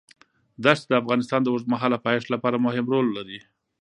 دښتې د افغانستان د اوږدمهاله پایښت لپاره مهم رول لري.